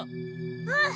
うん！